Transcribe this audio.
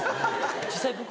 実際僕